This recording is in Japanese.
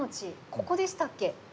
ここでしたっけ？